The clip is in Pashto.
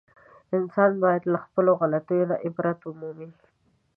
انسان باید له خپلو غلطیو نه عبرت و مومي.